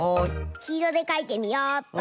きいろでかいてみよっと。